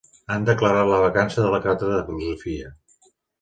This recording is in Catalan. Han declarat la vacança de la càtedra de filosofia.